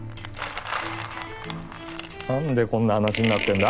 なんでこんな話になってんだ！？